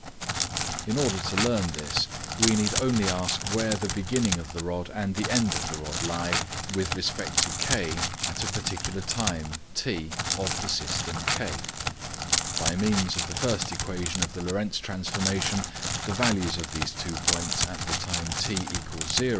In order to learn this, we need only ask where the beginning of the rod and the end of the rod lie with respect to K at a particular time t of the system K. By means of the first equation of the Lorentz transformation the values of these two points at the time t = 0 can be shown to be eq. 05a: file eq05a.gif eq.